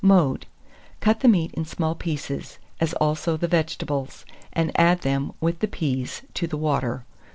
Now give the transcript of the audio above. Mode. Cut the meat in small pieces, as also the vegetables, and add them, with the peas, to the water.